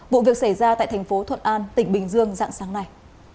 vụ việc xảy ra tại thành phố thuận an tỉnh bình dương dạng sáng nay